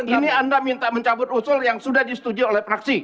ini anda minta mencabut usul yang sudah disetujui oleh praksi